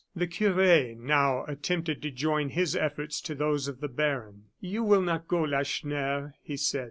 The cure now attempted to join his efforts to those of the baron. "You will not go, Lacheneur," he said.